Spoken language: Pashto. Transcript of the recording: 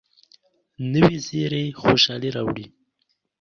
نوې زیري خوشالي راوړي